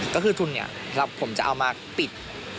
ก็คือทุนเนี่ยผมจะเอามาปิด